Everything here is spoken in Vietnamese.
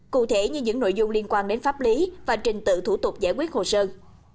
cụ thể như những nội dung liên quan đến pháp lý và trình tự thủ tục giải quyết hồ sơn